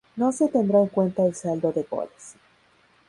No se tendrá en cuenta el saldo de goles.